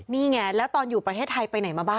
นี่ไงแล้วตอนอยู่ประเทศไทยไปไหนมาบ้าง